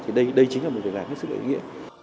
thì đây chính là một lời lạc một sự lợi nghĩa